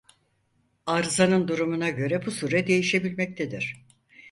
Arızanın durumuna göre bu süre değişebilmektedir.